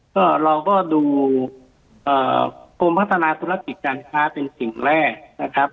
ก็เราก็ดูเอ่อโครงพัฒนาตุลัดติดการค้าเป็นสิ่งแรกนะครับ